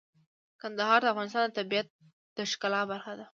کندهار د افغانستان د طبیعت د ښکلا برخه ده.